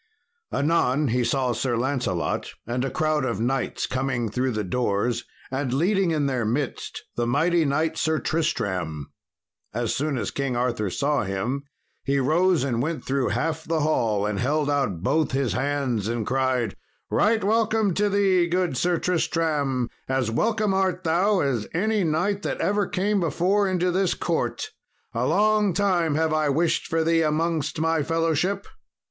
Anon he saw Sir Lancelot and a crowd of knights coming through the doors and leading in their midst the mighty knight, Sir Tristram. As soon as King Arthur saw him, he rose up and went through half the hall, and held out both his hands and cried, "Right welcome to thee, good Sir Tristram, as welcome art thou as any knight that ever came before into this court. A long time have I wished for thee amongst my fellowship."